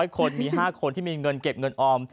คนมี๕คนที่มีเงินเก็บเงินออม